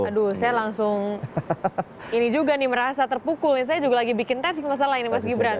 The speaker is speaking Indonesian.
aduh saya langsung ini juga nih merasa terpukul nih saya juga lagi bikin tesis masalah ini mas gibran